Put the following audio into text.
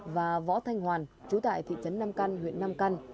và võ thanh hoàn chú tại thị trấn nam căn huyện nam căn